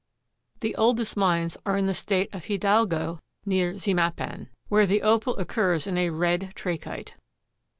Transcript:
The oldest mines are in the State of Hidalgo, near Zimapan, where the Opal occurs in a red trachyte.